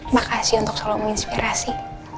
makasih untuk selalu menginspirasi